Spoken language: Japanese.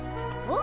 お！